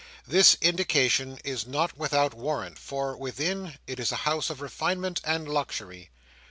This indication is not without warrant; for, within, it is a house of refinement and luxury.